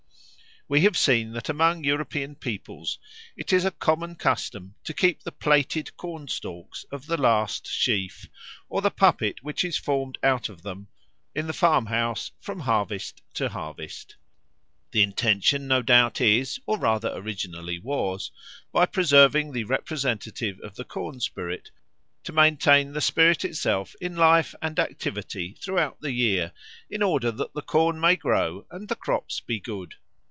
We have seen that among European peoples it is a common custom to keep the plaited corn stalks of the last sheaf, or the puppet which is formed out of them, in the farm house from harvest to harvest. The intention no doubt is, or rather originally was, by preserving the representative of the corn spirit to maintain the spirit itself in life and activity throughout the year, in order that the corn may grow and the crops be good.